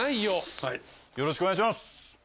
よろしくお願いします。